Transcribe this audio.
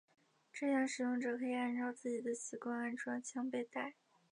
这样使用者可以按照自己的习惯安装枪背带。